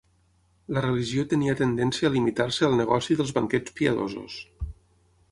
La religió tenia tendència a limitar-se al negoci dels banquets piadosos.